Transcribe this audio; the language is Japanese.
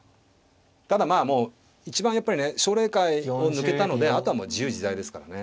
ただまあもう一番やっぱりね奨励会を抜けたのであとはもう自由自在ですからね。